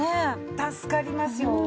助かりますよ。